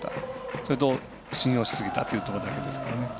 それと、信用しすぎたというだけですね。